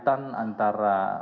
relasi relasi antara tim sukses